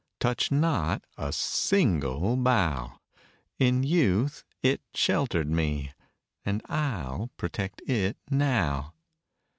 Touch not a single bough! In youth it sheltered me, And I'll protect it now.